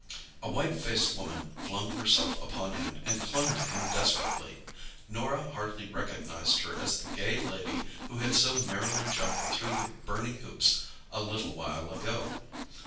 A white faced woman flung herself upon him and clung to him desperately. Norah hardly recognised her as the gay lady who had so merrily jumped through the burning hoops a little while ago.